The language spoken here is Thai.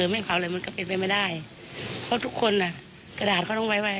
ไม่เผาเลยมันก็เป็นไปไม่ได้เพราะทุกคนอ่ะกระดาษเขาต้องไว้